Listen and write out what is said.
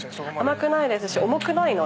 甘くないですし重くない。